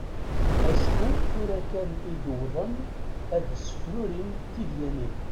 Acku tura kan i d-wwḍen ad sefrurin tidyanin.